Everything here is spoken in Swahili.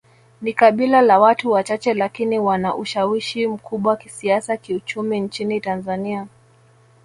Ni kabila la watu wachache lakini wana ushawishi mkubwa kisiasa kiuchumi nchini Tanzania